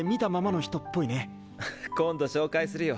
フフッ今度紹介するよ。